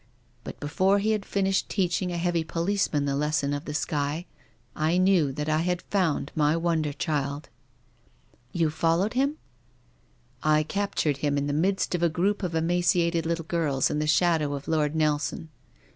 Before he had finished teaching a heavy policeman the les sons of the sky, I knew that I had found my wonder child." " You followed him ?"" I captured him in the midst of a group of emaciated little girls in the shadow of Lord Nelson.